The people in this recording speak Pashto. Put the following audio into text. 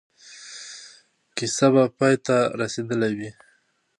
کیسه به پای ته رسېدلې وي.